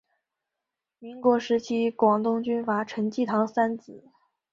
民国时期广东军阀陈济棠三子。